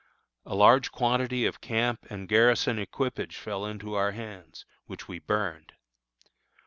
A large quantity of camp and garrison equipage fell into our hands, which we burned.